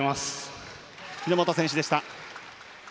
日本選手でした。